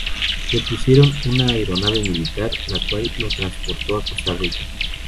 Lo pusieron en una aeronave militar, la cual lo transportó a Costa Rica.